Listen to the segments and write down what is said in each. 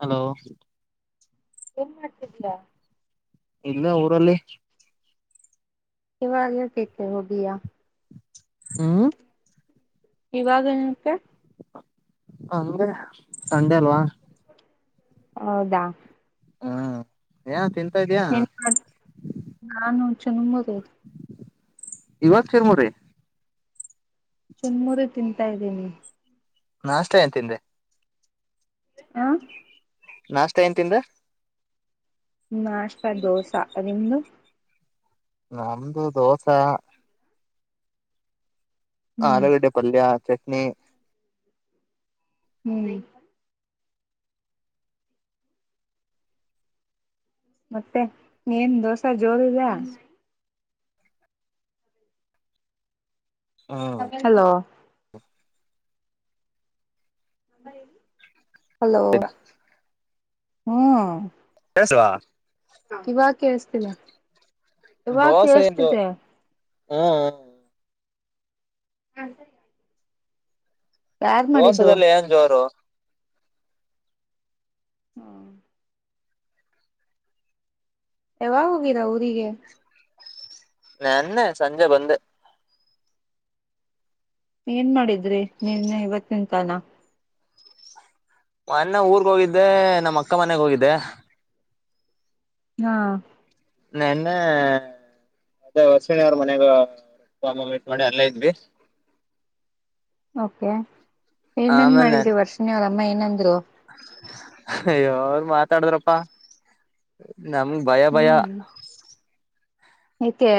Hello ಏನ್ ಮಾಡ್ತಿದ್ದೀಯಾ ಇಲ್ಲ ಊರಲ್ಲಿ ಕೆವ ೇಕೇಕ ಹೋಗಯ [inaudible] ಹ್ಮ ಇವಾಗನಪ ಅಂದೆ ಸಂಡೆ ಅಲ್ವಾ ಹೌದಾ ಹ್ಮ ಯಾ ತಿನ್ ಏನ್ ಮಾಡ್ ನಾನು ಚ ನಂಬದ ಅದು ಇವಾಗ ಚುರ್ಮುರಿ ಚುರುಮುರಿ ತಿಂತಾ ಇದ್ದೀನಿ ನಾಷ್ಟ ಏನ್ ತಿಂದೆ ಹಾ ನಾಷ್ಟ ಏನ್ ತಿಂದೆ ನಾಷ್ಟತ ದೋಸಾ ನಿಮ್ದು ನಮ್ದು ದೋಸ ಹ್ಮ್ ಆಲೂಗಡ್ಡೆ ಪಲ್ಯ ಚ ನೀ [inaudible] ಮತ್ತೆ ಏನ್ ದೋಸಾ ಜೋರಿದ ಹ್ಮ್ ಹಲೋ ಅಬ ಹೇಳಿ ಹಲೋ ಹ್ಮ್ [unintelligible] ಕವ ಕೆಲಸ್ತಿಲ್ಲಾ ಇವಾಗ ಕೆಳಸ್ತಿದೆ ಹ್ಮ ಹ್ಮ ಹಾ ಸರಿ ದೋಸೆದೆಲ್ಲ ಏನ್ ಜೋರು ಹ್ಮ ಯಾವಾಗ ಹೋಗೀರಾ ಊರಿಗೆ ನನ್ನೆ ಸಂಜೆ ಬಂದೆ ಏನ್ ಮಾಡಿದ್ರಿ ನಿನ್ನ ಇವತ್ತಿನ ತಾನ ಅನ್ನ ಊರ್ಗ ಹೋಗಿದ್ದೆ ನಮ್ಮ ಅಕ್ಕ ಮನೆಗ್ ಹೋಗಿದ್ದೆ ಹಾ ನೆನ್ನೆ ಅದೇ ವಸಣಿ ಅವರ ಮನೆಗ ಾಮ ಮೀಟ್ ಮಾಡಿ ಅಲ್ಲೇ ಇದ್ವಿ ಓಕೆ ಏನೇನ್ ಆಮೇಲೆ ಮಾಡಿದೀ ವರ್ಷಿನಿ ಅಮ್ಮ ಏನಂದ್ರು ಹವ್ವೊ ಮಾತಾಡದ್ರಪ್ಪಾ ನಮ್ಗೆ ಭಯ ಭಯ ಯಾಕೆ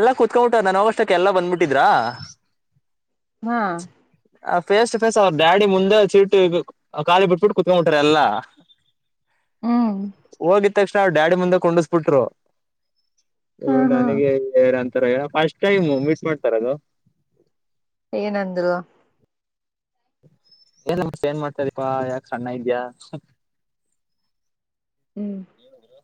ಎಲ್ಲಾ ಕುೂತ್ಕೊಂಬ ಬಿಿಟ್ಟಾರ ನನಗಷ್ಟಕ್ಕೆ ಎಲ್ಲಾ ಬಂದ್ಬಿಟ್ಟಿದ್ರಾ ಹಾ ಆ ಫೇಸ್ ಟು ಫೇಸ್ ಅವ್ರ ಡಾಡಿ ಮುಂದೆ ಚೀಟು ಖಾಲಿ ಬಿಟ್ಬಿಟ್ಟು ಕುತ್ಕೊಂಡ್ಬಟಾರ ಎಲ್ಲ ಹ್ಮ್ ಹೋಗ ಆದ ತಕ್ಷಣ ಅವವು ಡ್ಯಾಡಿ ಮುಂದೆ ಕೊಂಡಿಸ್ಬಿಟ್ರು ಹ ಹಾ ಹಾ ನನಗೆ ಯಾರಂತ ಷ್ಟ ಟೈಮ್ ಮಿಸ್ ಮಾಡ್ತಾರ ಅದು ಏನಂದ್ರು ಏನ ಮ ಏನ್ ಮಾಡ್ತಾರಪ್ಪಾ ಯಾಕ ಸಣ್ಣ ಇದ್ಯಾ ಹ್ಮ್ ಏನಿದರ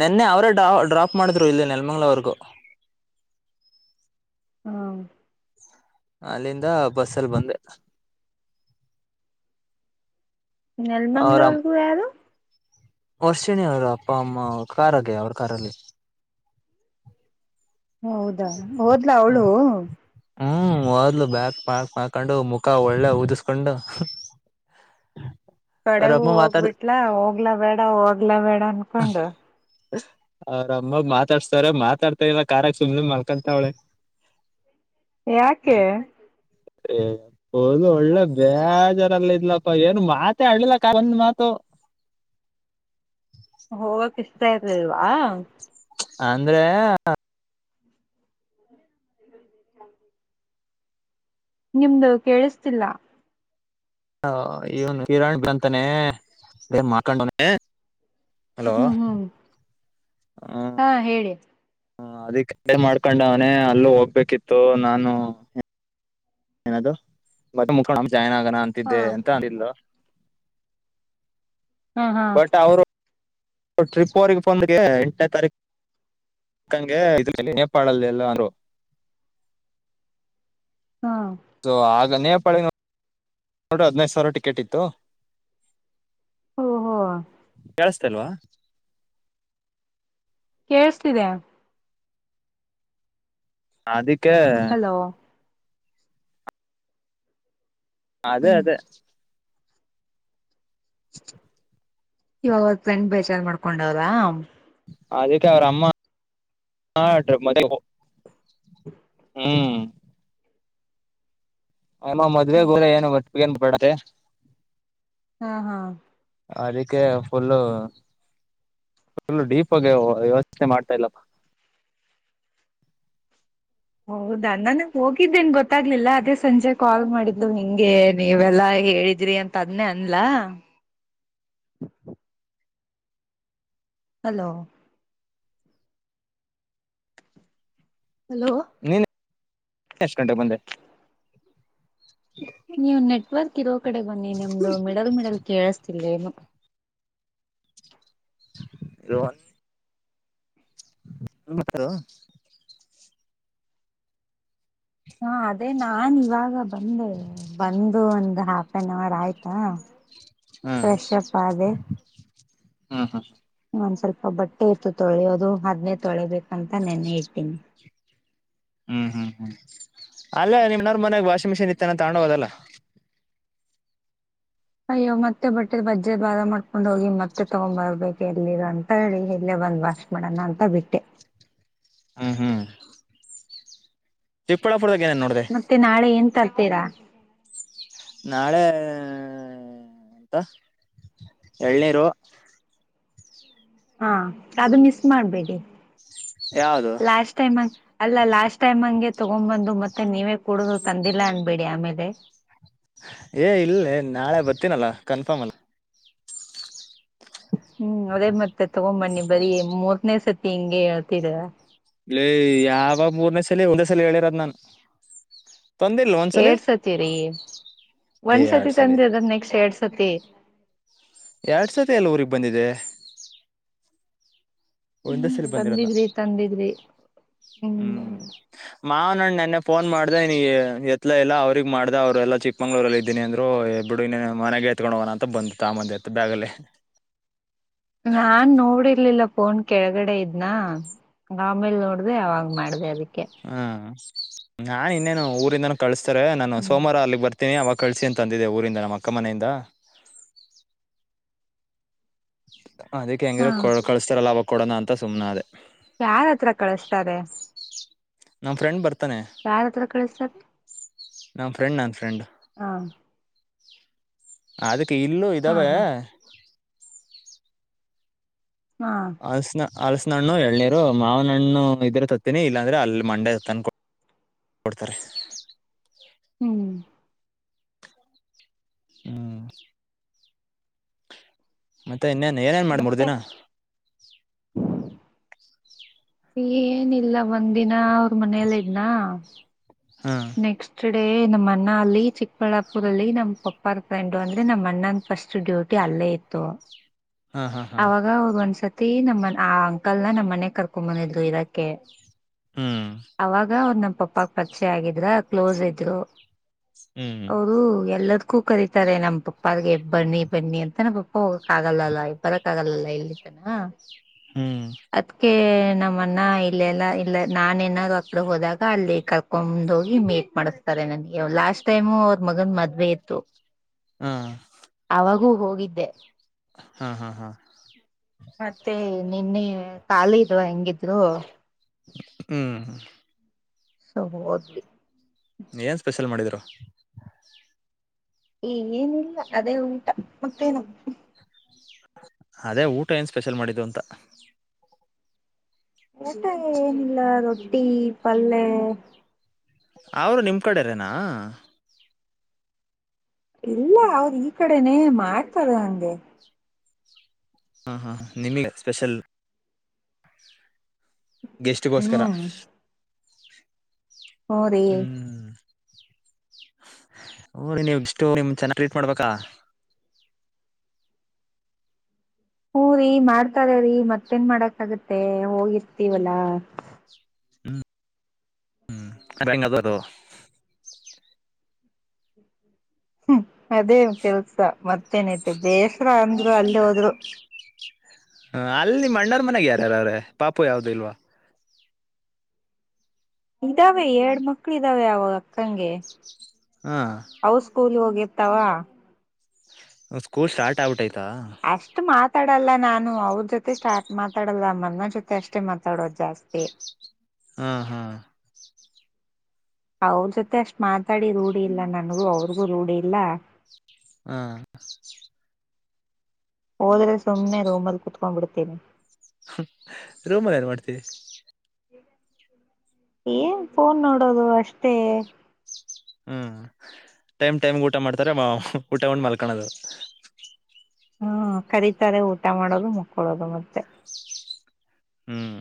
ನಿೆನ್ನೆ ಅವರೇ ಡ್ರಾ ಡ್ರಾಪ್ ಮಾಡಿದ್ರು ಇಲ್ಲಿ ನೆಲ್ಮಂಗ್ಳವರೆಗೂ ಹಾ ಅಲ್ಲಿಂದ ಬಸ್ಸಲ್ಲಿ ಬಂದೆ ಅವ್ರ ನೆಲ್ಮಂಗ್ಳೂರ್ಗೂ ಯಾರು ವರ್ಷಿಣಿ ಅವರು ಅಪ್ಪ ಅಮ್ಮ ಕಾರಲ್ಲಿ ಅವ್ರ ಕಾರಲ್ಲಿ ಹೌದಾ ಹೋದ್ಲಾ ಅವಳು ಹ್ಮ್ ಓದ್ಲು ಬ್ಯಾಾಗ ಬ್ಯಾಕ್ ಮಾಡಾಕೊಂಡು ಮುಖ ಒಳ್ಳೆ ಊದಿಸ್ಕೊಂಡು ಕಡೆಗೂ ಅವ್ರಪ್ಪ ಮಾತಾಡ್ ಹೋಗ್ಬಿಟ್ಲ ಹೋಗ್ಲ ಬೇಡ ಹೋಗ.. [inaudible] [inaudible] ಎ.. [inaudible] ನನಪಂಡ.. [inaudible] ಅವ್ರಮ್ಮ ಮಾತಾಡ್ಸ್ತಾರ ಮಾತಾಡ್ತಾ ಇಲ್ಲ ಕಾರಾಗ ಸುಮ್ ಮಲ್ಕೊಂತಾವಳೆ.. [unintelligible] ಯಾಕೆ.. [inaudible] ಏ ೋದು ಒಳ್ಳೆ ಬೇಜಾರಲ್ಲ ಇದ್ಲಪ್ಪ ಏನ್ ಮಾತ ಆಡ್ಲಿಲ್ಲ ಒಂದ ಮಾತು.. [unintelligible] ಹೋಗಕ್ ಇಷ್ಟತಯತ್ ಅಲ್ವಾ.. [inaudible] ಅಂದ್ರೆ.. [inaudible] ಹಾ.. [inaudible] ನಿಮ್ದು ಕೇಳಿಸ್ತಿಲ್ಲ.. [inaudible] ಹ ಇವನು ಹಿರಾಣ ಬಂತಾನೆ ಬೇ ಮಾಡಕೊಂಡವನ.. [inaudible] ಹ್ಮ್ ಹ್ಮ್ ಹಾ ಹೇಳಿ.. [inaudible] ಹ ಅದಿ ಕ ಮಾಡ್ಕೊಂಡವನೇ ಅಲ್ಲೂ ಹೋಗ್ಬೇಕಿತ್ತು ನಾನು.. [inaudible] ಏನದು ಮತ್ತ ಮುಕ್ಕಣ.. [inaudible] ಜಾಯ್ನ್ ಆಗೋಣ ಹಾ ಅಂತಿದ್ದೆ ಅಂತ ಅಲ್.. [inaudible] ಹಾ ಹಾ ಬಟ್ ಅವರು.. [inaudible] ಟ್ರಿಪ್ ಅವರೆಗೆ ಬಂದಗೆ ಎಂಟನೇ ತಾರೀಕಂಗೆ ಇದ ನೇಪಾಳ ಅಲ್ಲಿ ಎಲ್ಲರು.. ಹಾ [inaudible] ತ ಆಗ.. [inaudible] ನೇಪಾಳ.. [inaudible] ನೋಡ್ರ ಹದ್ನೈದು ಸಾವಿರ ಟಿಕೆಟ್ ಇತ್ತು... ಓಹೋ [inaudible] ಕೆಸ.. [inaudible] ಇಲ್ವಾ.. [inaudible] ಕೇೇಳಸ್ತಿದೆ.. [inaudible] ಅದ.. [inaudible] ಕೆ.. [inaudible] ಹಲೋ ಅದೇ ಹ್ಮ್ ಅದೇ.. [inaudible] ಇವಾಗ ಬೆೆಂಡ್ ಬೇಜಾರ್ ಮಾಡ್ಕೊಂಡವ್ರಾ.. [unintelligible] ಅದಕ್ಕೆ ಅವ್ರ ಅಮ್ಮ ಹ್ಮ್.. [inaudible] ಆ್ ಮದುವೆ ಗೋಲ ಏನ್ ಬರ್ ಏನ್ ಬೇ. [inaudible] ತ್ತ.. [inaudible] ಹಾ ಹಾ.. [inaudible] ಅದಕ್ಕೆ ಫುಲ್ಲ ಫು ಡೀಪ್ ಆಗಿ ವ್ಯವಸ್ಥೆ ಮಾಡ್ತಾ ಇಲ್ಲಪ್ಪ.. [inaudible] ಹೌದಾ ನನ್ ಹೋಗಿದ್ದೇನ್ ಗೊತ್ತಾಗ್ಲಿಲ್ಲ ಅದೇ ಸಂಜೆ ಕಾಲ್ ಮಾಡಿದ್ದು ಹಿಂಗೆ ನೀವೆಲ್ಲಾ ಹೇಳಿದ್ರಿ ಅಂತ ಅದನೇ ಅನ್ಲ... [unintelligible] ಹಲೋ.. [inaudible] ಹಲೋ.. [inaudible] ಎಷ್ಟು ಗಂಟೆಗೆ ಬಂದೆ.. [inaudible] ನೀವು ನೆಟ್ವರ್ಕ್ ಇರೋ ಕಡೆ ಬನ್ನಿ ನಿಮ್ದು ಮೆಡಲ್ ಮೆಡಲ್ ಕೇಳಸ್ತಿಲ್ಲ ಏನು.. [unintelligible] ರನ್.. [inaudible] ನತ್ತ. ಹಾ ಅದೇ ನಾನ್ ಇವಾಗ ಬಂದೆ ಬಂದು ಒಂದ ಹಾಫ್ ಆನ್ ಅವರ್ ಆಯ್ತಾ. ವಿಷಪದೆ. ಹಾ ಹಾ. ಒಂದ್ ಸ್ವಲ್ಪ ಬಟ್ಟೆ ಇತ್ತು ತೊಳೆಯೋದು ಆದ್ಮೇ ತೊಳಿಬೇಕಂತ ನೆನ್ನೆ ಇಡ್ಟ್ಟೀನಿ. ಹ್ಮ್ ಹ್ಮ್ ಹ್ಮ್ ಅಲ್ಲೇ ನಿಮ್ನ್ರ ಮನ್ಯಾಗ ವಾಷಿಂಗ್ ಮಿಷಿನ್ ಇತ್ತನ ತಗೊಂಡು ಹೋದಲ್ಲ. ಅಯ್ಯೋ ಮತ್ತೆ ಬಟ್ಟೆರ್ ಬಜ್ಜೆ ಭಾರ ಮಾಡ್ಕೊಂಡ್ ಹೋಗಿ ಮತ್ತೆ ತಗೊಂಡ್ ಬರ್ಬೇಕು ಎಲ್ಲಿರ ಅಂತ ಹೇಳಿ ಎಲ್ಲೇ ಬಂದ ಬ ಅಷ್ಟ ಮಾಡೇಡಣ ಅಂತ ಬಿಟ್ಟೆ. ಹಾ ಹಾ. ಇಪ್ಪಳ ಮತ್ತೆ ನಾಳೆ ಎನ್ ತರ್ತೀರಾ ನಾಳೆ ಎಂತ ಎಳ್ನೀರು ಹಾ ಅದು ಮಿಸ್ ಮಾಡ್ಬೇಡಿ ಯಾವ್ದು ಲಾಸ್ಟ್ ಟೈಮ್ಂಗ ಅಲ್ಲ ಲಾಸ್ಟ್ ಟೈಮ್ ಹಂಗೆ ತಗೊಂಡ್ ಬಂದು ಮತ್ತೆ ನೀವೇ ಕುಡುದು ತಂದಿಲ್ಲ ಅನ್ಬೇಡಿ ಆಮೇಲೆ ಏ ಇಲ್ಲ ನಾಳೆ ಬರ್ತೀನಲ್ಲ ಕನ್ಫರ್ಮ್ ಅಲ್ಲ ಹ್ಮ್ ಅದೇ ಮತ್ತೆ ತಗೊ್ಂಬನ್ನಿ ಬರೀ ಮೂರ್ನೇ ಸತಿ ಹಿಂಂಗಗೆ ಹೇಳ್ತಿದ ಇಲ್ಲ ಯಾವ ಮೂರ್ನೇ ಸಲ ಒಂದೇ ಸಲ ಹೇಳಿರದ್ ನನ್ು. ಎಏಡ್ ಸತಿ ರೀ ಏ ಒಂದ್ಸತಿ ಎರಡ್ ಸಲಿ ತಂದ್ರಿ ಅದನ್ ನೆಕ್ಸ್ಟ್ ಎರಡ್ ಸತಿ. ಎರಡ್ ಸಾವಿರ ಎಲ್ಲ ಊರಿಗೆಗ್ ಬಂದಿದೆ. ಒಂದ ಹ್ಮ್ ಸಲ್ಲಿ ಬಂದಿರೋದ ಬಂದಿದ್ರಿ ತಂದಿದ್ರಿ ಹ್ಮ್ ಮಾ. ನಾನು ನೆನ್ನೆ ಫೋನ್ ಮಾಡ್ದ ಎತ್ಲ ಎಲ್ಲ ಅವ್ರಗ್ ಮಾಡ್ದ ಅವ್ರು ಎಲ್ಲ ಚಿಕ್ಕಮಂಗಳೂರಲ್ಲಿ ಇದ್ದಿನಿ ಅಂದ್ರು ಬಿಡು ಮನೆಗೆ ಎತ್ಕೊಂಡ್ ಹೋಗಣ ಅಂತ ಬಂದ ತಮ್ಮಂದಿ ಎತ್ತು ಬ್ಯಾಗಲ್ಲಿ. ನಾನ್ ನೋಡಿರ್ಲಿಲ್ಲ. ಫೋನ್ ಕೆಳಗಡೆ ಇದ್ನಾ ಆಮೇಲ್ ನೋಡ್ದ ಅವಾಗ್ ಮಾಡ್ದ ಅದಕ್ಕೆ. ಹ್ಮ. ನಾನ್ ಇನ್ನೇನು ಊರಿಂದನೂ ಕಳ್ಸ. ಸರ್ ಹ್ಮ್ ನುೋಮವಾರ ಅಲ್ಲಿಗೆ ಬರ್ತೀನಿ ಅವಾಗ. ಕಳ್ಸಿ ಅಂತಂದಿದೆ ಊರಿಂದ ನಮ್ಮ ಅಕ್ಕ ಮನೆಯಿಂದ. ಹ್. ಅದಿಕ್ಕೆ ಹಾ ಹೆಂಗಿದರ ಕಳಸ್ತಾರಲ್ಲ ಅವ. ಕೊಡೋಣ ಅಂತ ಸುಮ್ಮನೆನ ಅೇ. ಯಾರ ಹತ್ರ ಕಳಸ್ತಾರೆ. ನಮ್ಮ ಫ್ರಂಡ್ರ್ತಾರೆ. ಯಾರ ಹತ್ರ ಕಳಿಸ್ತಾರೆ. ನನ್ನಫ್ರೆಂಡ ನನ್ನಫ್ರೆ್. ಹ ಅದಕ್ಕೆ. ಇಲ್ಲೂ ಹಾ ಇದಾವೆ. ಹಾ ಹಾ ಅಲಸ ನಣ್ಣು ಎಳ್ನೀರು ಮಾವನಣ್ಣು ಇದ್ರ ತತ್ತೀನಿ ಇಲ್ಲಾಂದ್ರೆ ಅಲ್ಲಿ ಮಂಡೆ ಹತ್ತನ್ ಕೊಡ್ತಾರೆ ಹ್ಮ್ ಹ್ಮ ಮತ್ತೆ ಇನ್ನೇನ್ ಏನೇನ್ ಮತ್ತೆ ಮಾಡಬಡ್ದಿನ ಏನಿಲ್ಲ ಒಂದಿನ ಮನೇಲೆ ಇದ್ನಾ ಹಾ ನೆಕ್ಸ್ಟ್ ಡ ನಮ್ಮ ಅಣ್ಣ ಅಲ್ಲಿ ಚಿಕ್ಕಬಳ್ಳಾಪುರಲ್ಲಿ ನಮ್ಮ್ ಪಪ್ಪ ಫ್ರೆಂಡು ಅಂದ್ರೆ ನಮ್ಮ ಅಣ್ಣಂದ ಫಸ್ಟ್ ಡ್ಯೂಟಿ ಅಲ್ಲೇ ಇತ್ತು ಹಾ ಹಾ ಹಾ ಅವಾಗ ಅವದ ಒಂದ್ಸ ತಿ ನಮ್ಮ ಆ ಅಂಕಲ್ನ ನಮ್ಮ ಮನೆ ಕರ್ಕೊಂಬಂದಿದ್ರು ಇರಕ್ಕೆ ಹ್ಮ್ ಅವಾಗ ಅವರು ನಮ್ಮ ಪಪ್ಪಾಗ ಪರಿಚಯ ಆಗಿದ್ರ ಕ್ಲೋಸ್ ಇದ್ರು ಹ್ಮ್ ಹೌದು ಎಲ್ಲದ ಕ್ಕೂ ಕರೀತಾರೆ ನಮ್ಮ ಪಪ್ಪಾರಿಗೆ ಬನ್ನಿ ಬನ್ನಿ ಅಂತ ನಮ್ಮ ಪಪ್ಪ ಹೋಗಕ್ಕ್ಕಗಲ್ಲ ಅಲ್ಲ ಬರಕ್ ಆಗಲ್ಲಲ್ಲ ಇಲ್ಲಿ ತನ ಹ್ಮ್ ಅದಕ್ಕೆ ನಮ್ಮಣ್ಣ ಇಲ್ಲೆಲ್ಲಾ ಇಲ್ಲ ನಾನ ಏನಾದ್ರು ಆ ಕಡೆ ಹೋದಾಗ ಅಲ್ಲಿ ಕರ್ಕೊಂಡ್ ಹೋಗಿ ಮೀಟ್ ಮಾಡಿಸತಾರೆ ನನ್ಗೆ ಲಾಸ್ಟ್ ಟೈಮು ಅವ್ರ ಮಗನ್ ಮದ್ವೆ ಇತ್ತು ಹ್ಮ್ ಅವಾಗು ಹೋಗಿದ್ದೆ ಹ ಮತ್ತೆ ನಿನ್ನೆ ಖಾಲಿ ಇದ್ವಾ ಹೆಂಗಿ ದ್ರು ಹ್ಮ್ ಸೋ ಹೋದ್ವಿ ಏನು ಸ್ಪೆಷಲ್ ಮಾಡಿದರು ಏನಿಲ್ಲ ಅದೇ ಊಟ ಮತ್ತೇನು ಅದೇ ಊಟ ಏನ್ ಸ್ಪೆಷಲ್ ಮಾಡಿದ್ದು ಅಂತ ಊಟ ಏನಿಲ್ಲ ರೊಟ್ಟಿ ಪಲ್ಲೆ ಅವರು ನಿಮ್ಮ ಕಡೆರೇನಾ ಇಲ್ಲ ಅವ್ರ ಈ ಕಡೆನೆೇ ಮಾಡ್ತಾರೆ ಹಂಗೆ ಹಾ ಹಾ ನಿಮಗೆ ಸ್ಪೆಷಲ್ ಗೆಸ್ಟಿಗೋಸ್ಕರ ಹ್ಮ್ ಹೂ ರೀ ನೋಡಿ ನೀವು ಇಷ್ಟು ನಿಮಗೆ ಚೆನ್ನಾಗಿ ಟ್ರೀಟ್ ಮಾಡ್ಬೇಕಾ ಹೂ ರಿ ಮಾಡ್ತಾರ್ರೀ ಮತ್ತೇನ್ ಮಾಡಕ್ ಆಗತ್ತೆ ಹೋಗಿರ್ತೀವಲ್ಲಾ ಹ್ಮ್ ಹ್ಮ ಅಂಗದಾರೋ ಅದೇ ಕೆಲ್ಸ ಮ ಮತ್ತೇನೈತೆ ಬೇಸರ ಅಂದ್ರು ಅಲ್ಲಿ ಹೋದ್ರು ಹ ಅಲ್ಲಿ ಮಣ್ಣಾರ್ ಮನೆಗ ಯಾರ್ಯಾರ ಅವ್ರೆ ಪಾಪು ಯಾವ್ದು ಇಲ್ವಾ ಇದಾವೆ ಎರಡ್ ಮಕ್ಳು ಇದ್ದಾವೆ ಅವಾಗ ಅಕ್ಕಂಗೆ ಹಾ ಅವ ಸ್ಕೂಲ್ ಹೋಗ ಎತಾವ ಸ್ಕೂಲ್ ಸ್ಟಾರ್ಟ್ ಔಟ್ ಆಯತು ಅಷ್ಟು ಮಾತ್ ಮಾತಾಡಲ್ಲ ನಾನು ಅವ್ರ ಜೊತೆ ಸ್ಟಾರ್ಟ್ ಮಾತಾಡಲ್ಲ ಅನ್ನ ಜೊತೆ ಅಷ್ಟೇ ಮಾತಾಡೋದು ಜಾಸ್ತಿ ಹಾ ಹಾ ಅವ್ರ ಜೊತೆ ಅಷ್ಟ ಮಾತಾಡಿ ರೂಢಿ ಇಲ್ಲ ನನ್ಗೂ ಅವ್ರಿಗೂ ರೂಢಿ ಇಲ್ಲ ಹ್ಮ ಹೋದ್ರೆ ಸುಮ್ಮನೆ ಅದು ರೂಮಲ್ಲಿ ಕುೂತ್ಕೊಂಡ್ ಬಿಿಡ್ತೀನನೆ ರೂಮಲ್ ಏನ್ ಮಾಡ್ತೀವಿ ಏನ್ ಫೋನ್ ನೋಡೋದು ಅಷ್ಟೇ ಹ್ಮ್ ಟೈಮ್ ಟೈಮ್ ಊಟ ಮಾಡ್ತಾರೆ ಊಟಗೊಂಡ್ ಮಲ್ಕಳದು ಹ್ಮ ಕರೀತಾರೆ ಊಟ ಮಾಡೋದು ಮುಕ್ಕಳೋದು ಮತ್ತೆ ಹ್ಮ್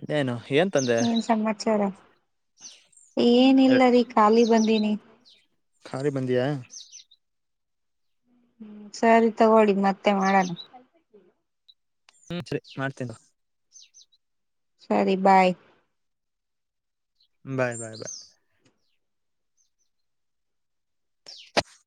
ಇದೇನು ಏನ್ ಸಮಾಚಾರ ಎ ಏನಿಲ್ಲ ರೀ ಖಾಲಿ ಬಂದೀನಿ ಬಂದಿ ಆ ಹ್ಮ ಸರಿ ತಗೋಡಿ ಮತ್ತೆ ಮಾಡಣ ಹ್ಮ ಸರಿ ಮಾಡ್ತೀನಿ ಸರಿ ಬಾಯ್ ಬಾಯ್ ಬಾಯ್ ಬಾಯ್